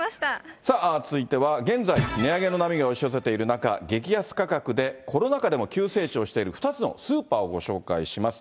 さあ続いては現在、値上げの波が押し寄せている中、激安価格でコロナ禍でも急成長している２つのスーパーをご紹介します。